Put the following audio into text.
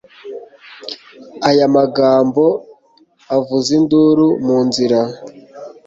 Aya magambo avuza induru mu nzira